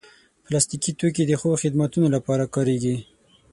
پلاستيکي توکي د ښو خدمتونو لپاره کارېږي.